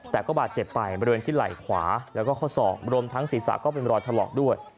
แต่ก็บาดเจ็บไปบริเวณที่ไหล่ขวาแล้วก็ข้อศอกรวมทั้งศีรษะก็เป็นรอยถลอกด้วย